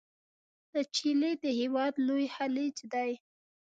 د چیلي د هیواد لوی خلیج دی.